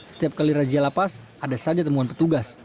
setiap kali rajia lapas ada saja temuan petugas